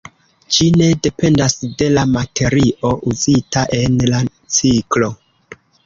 Ĝi ne dependas de la materio uzita en la ciklo.